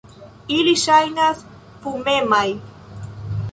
Ili ŝajnas fumemaj.